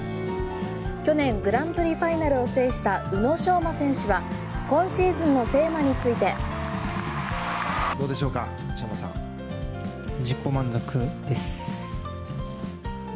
去年グランプリファイナルを制した宇野昌磨選手は今シーズンのテーマについて。続いてはラグビーのワールドカップ。